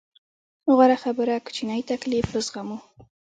غوره خبره کوچنی تکليف وزغمو.